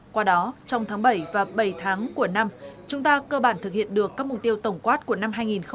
qua đó trong tháng bảy và bảy tháng của năm chúng ta cơ bản thực hiện được các mục tiêu tổng quát của năm hai nghìn hai mươi